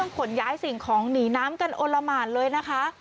ขนย้ายสิ่งของหนีน้ำกันโอละหมานเลยนะคะ